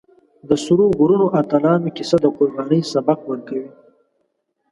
د سرو غرونو اتلانو کیسه د قربانۍ سبق ورکوي.